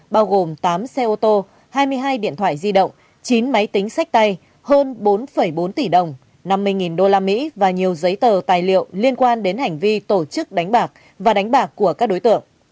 bao gồm tám xe ô tô hai mươi hai điện thoại di động chín máy tính sách tay hơn bốn bốn tỷ đồng năm mươi usd và nhiều giấy tờ tài liệu liên quan đến hành vi tổ chức đánh bạc và đánh bạc của các đối tượng